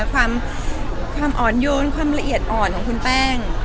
ความอ่อนโยนความละเอียดอ่อนของคุณแป้ง